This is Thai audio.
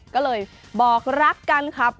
ก็เลยบอกรักกันครับ